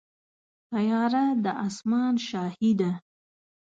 طیاره د اسمان شاهي ده.